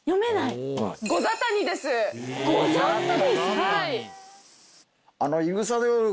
はい。